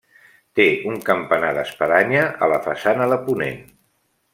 Té un campanar d'espadanya a la façana de ponent.